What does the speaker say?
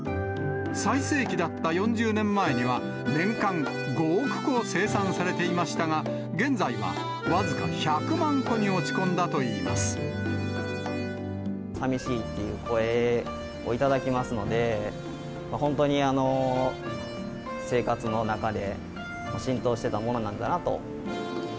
最盛期だった４０年前には、年間５億個生産されていましたが、現在は僅か１００万個に落ち込んさみしいという声も頂きますので、本当に生活の中で浸透してたものなんだなと。